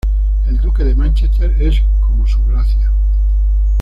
El Duque de Mánchester es como "Su Gracia".